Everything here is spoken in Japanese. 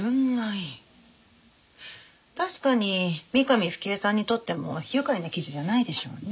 確かに三上冨貴江さんにとっても愉快な記事じゃないでしょうね。